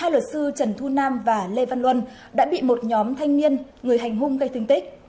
hai luật sư trần thu nam và lê văn luân đã bị một nhóm thanh niên người hành hung gây thương tích